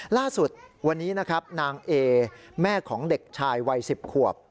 ล่าสุดวันนี้นะครับนางเอแม่ของเด็กชายวัย๑๐ขวบ